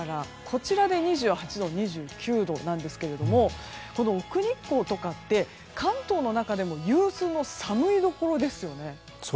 こちらで２８度、２９度なんですがこの奥日光とかって関東の中でも有数の寒いどころですよね。